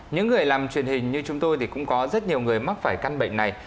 những người làm truyền hình như chúng tôi thì cũng có rất nhiều người mắc phải căn bệnh này